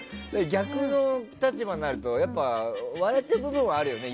逆の立場になるとやっぱりお笑いっていう部分があるよね。